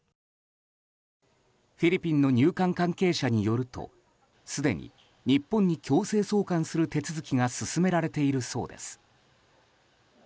フィリピンの入管関係者によるとすでに日本に強制送還する手続きが進められているそうです。